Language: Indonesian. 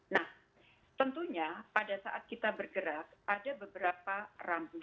nah tentunya pada saat kita bergerak ada beberapa rambut